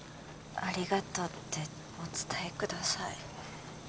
ありがとうってお伝えください